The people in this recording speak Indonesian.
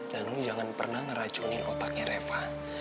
dan lo jangan pernah ngeracunin otaknya reva